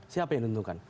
siapa yang diuntungkan